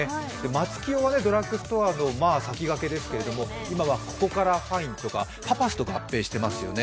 マツキヨはドラッグストアの先駆けですけど今はココカラファインとかと合併していますよね。